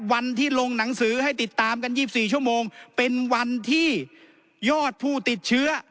วันที่ลงหนังสือให้ติดตามกัน๒๔ชั่วโมงเป็นวันที่ยอดผู้ติดเชื้อ